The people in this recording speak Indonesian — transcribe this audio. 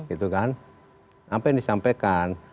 itu kan apa yang disampaikan